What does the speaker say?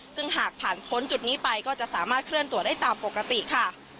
ซึ่งหากผ่านพ้นจุดนี้ไปก็จะสามารถเคลื่อนตัวได้ตามปกติค่ะ